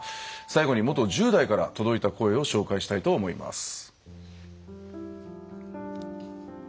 最後に元１０代から届いた声を紹介したいと思います。